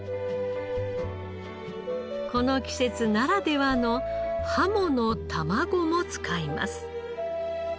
この季節ならではのハモの卵も使います。